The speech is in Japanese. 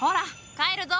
帰るぞ！